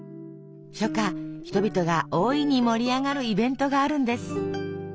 初夏人々が大いに盛り上がるイベントがあるんです。